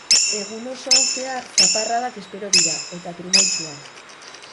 Egun osoan zehar zaparradak espero dira, eta trumoitsuak.